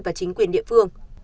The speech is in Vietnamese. và chính quyền địa phương